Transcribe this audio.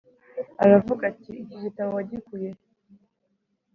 Aravuga ati iki gitabo wagikuye he‽